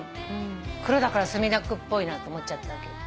黒だから墨田区っぽいなと思っちゃったけど。